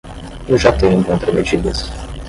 Eu já tenho contramedidas